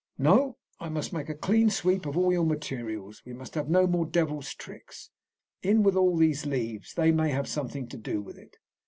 "No; I must make a clean sweep of all your materials. We must have no more devil's tricks. In with all these leaves! They may have something to do with it."